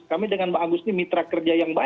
kami dengan bang agus ini mitra kerja yang baik